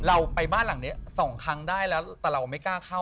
เราไปบ้านหลังนี้สองครั้งได้แล้วแต่เราไม่กล้าเข้า